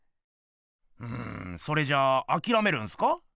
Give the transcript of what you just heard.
んそれじゃあきらめるんすか？